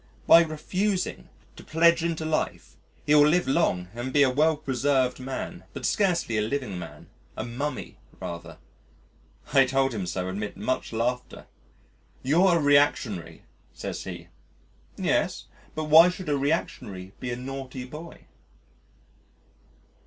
By refusing to plunge into life he will live long and be a well preserved man, but scarcely a living man a mummy rather. I told him so amid much laughter. "You're a reactionary," says he. "Yes, but why should a reactionary be a naughty boy?"